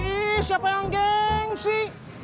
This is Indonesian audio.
ih siapa yang gengsi